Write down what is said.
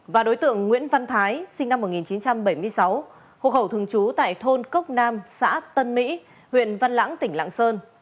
và đối tượng nguyễn văn thái sinh năm một nghìn chín trăm bảy mươi sáu hộ khẩu thường trú tại thôn cốc nam xã tân mỹ huyện văn lãng tỉnh lạng sơn